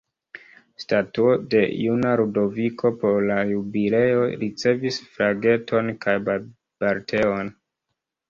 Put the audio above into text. Statuo de juna Ludoviko por la jubileo ricevis flageton kaj balteon.